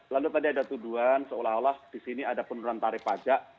lalu tadi ada tuduhan seolah olah di sini ada penurunan tarif pajak